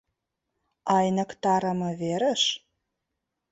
— Айныктарыме верыш?